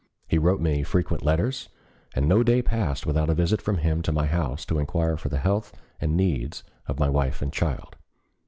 He wrote me frequent letters, and no day passed without a visit from him to my house to inquire for the health and needs of my wife and child.